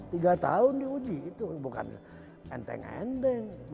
tiga tahun diuji itu bukan enteng enteng